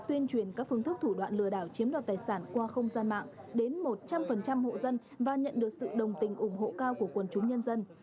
tình trạng tội phạm lừa đảo chiếm đoạn tài sản qua không gian mạng đến một trăm linh hộ dân và nhận được sự đồng tình ủng hộ cao của quần chúng nhân dân